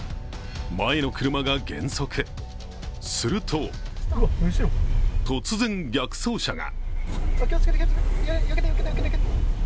前の車が減速、すると突然逆走車が。